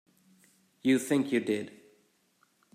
You think you did.